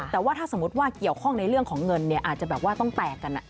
แต่ว่าถ้าสมมุติว่าเกี่ยวข้องในเรื่องของเงินเนี่ยอาจจะแบบว่าต้องแตกกัน